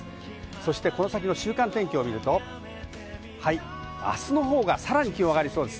そして、この先の週間天気を見ると、あすの方が、さらに気温上がりそうです。